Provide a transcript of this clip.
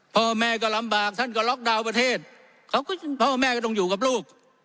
พ่อแม่ก็ลำบากท่านก็ล็อกดาวน์ประเทศเขาก็พ่อแม่ก็ต้องอยู่กับลูก